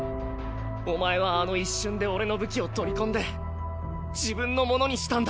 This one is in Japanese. お前はあの一瞬で俺の武器を取り込んで自分のものにしたんだ。